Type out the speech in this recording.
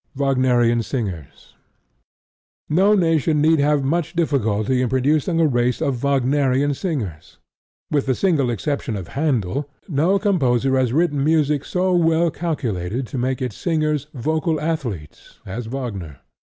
WAGNERIAN SINGERS No nation need have much difficulty in producing a race of Wagnerian singers. With the single exception of Handel, no composer has written music so well calculated to make its singers vocal athletes as Wagner.